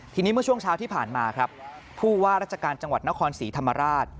ทีนี้เมื่อช่วงเช้าที่ผ่านมาครับผู้ว่าราชการจังหวัดนครศรีธรรมราช